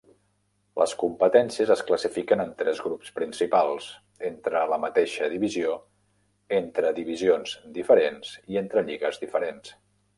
Les competències es classifiquen en tres grups principals: entre la mateixa divisió, entre divisions diferents, i entre lligues diferents.